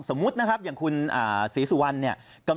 สมมตินะครับเงี่ยคุณสีสุวันเนี่ย